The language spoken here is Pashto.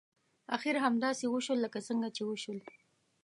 اخر همداسې وشول لکه څنګه چې وشول.